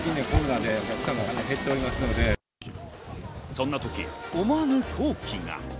そんなとき思わぬ好機が。